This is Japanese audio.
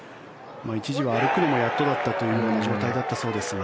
一時は歩くのもやっとだったという状態だったようですが。